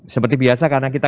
seperti biasa karena kita